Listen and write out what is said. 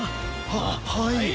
ははい！